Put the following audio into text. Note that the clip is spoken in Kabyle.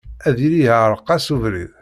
Ad yili iɛreq-as ubrid.